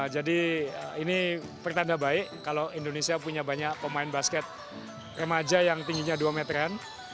jadi ini pertanda baik kalau indonesia punya banyak pemain basket remaja yang tingginya dua meteran